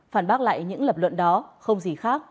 phản bác lại những lập luận đó không gì khác